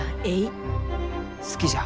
好きじゃ。